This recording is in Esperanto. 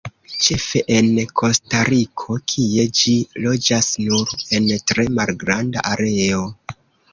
Ĉefe en Kostariko, kie ĝi loĝas nur en tre malgranda areo.